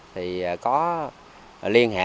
thì có liên hệ